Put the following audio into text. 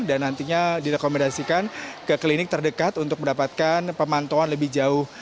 dan nantinya direkomendasikan ke klinik terdekat untuk mendapatkan pemantauan lebih jauh